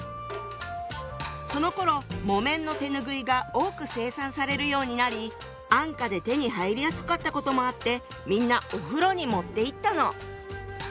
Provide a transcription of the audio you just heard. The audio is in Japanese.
そのころ木綿の手拭いが多く生産されるようになり安価で手に入りやすかったこともあってみんなお風呂に持っていったの。